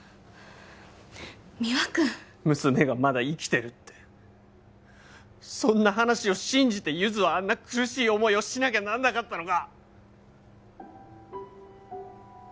三輪君娘がまだ生きてるってそんな話を信じてゆづはあんな苦しい思いをしなきゃなんなかったのか？